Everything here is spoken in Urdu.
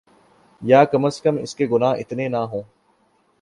یاکم ازکم اس کے گناہ اتنے نہ ہوں۔